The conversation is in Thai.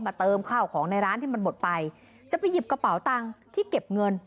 เติมข้าวของในร้านที่มันหมดไปจะไปหยิบกระเป๋าตังค์ที่เก็บเงิน